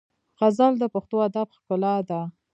غزل د پښتو ادب ښکلا ده.